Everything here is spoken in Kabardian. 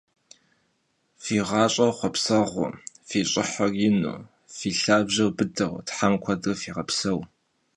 Fi ğaş'er xhuapseğueu, fi ş'ıhır yinu, fi lhabjer bıdeu Them kuedre fiğepseu!